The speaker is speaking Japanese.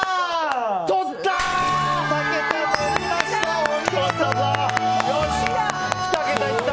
とった！